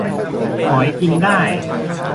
หมอยกินได้